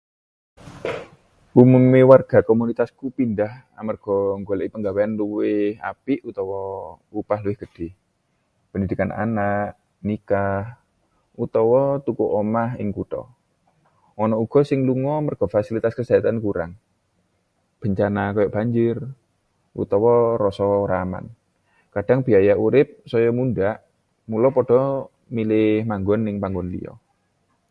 Umumé warga komunitasku pindhah amarga nggoleki gawéan luwih apik utawa upah luwih gedhé, pendidikan anak, nikah, utawa tuku omah ing kutha. Ana uga sing lunga merga fasilitas kesehatan kurang, bencana kaya banjir, utawa rasa ora aman. Kadhang biaya urip saya mundhak, mula padha milih manggon neng panggon liyo.